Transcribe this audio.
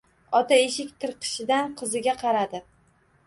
Ota eshik tirqishidan qiziga qaradi.